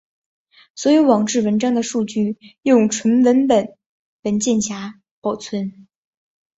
所有网志文章的数据用纯文本文件来保存。